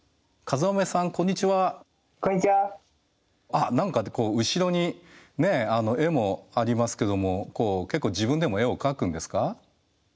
あっ何か後ろにね絵もありますけども結構自分でも絵を描くんですか？